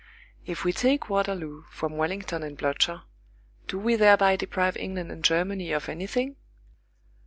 If we take Waterloo from Wellington and Blücher, do we thereby deprive England and Germany of anything?